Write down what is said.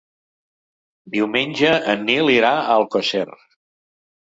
Diumenge en Nil irà a Alcosser.